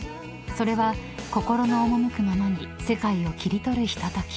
［それは心の赴くままに世界を切り取るひととき］